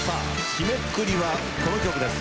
締めくくりはこの曲です。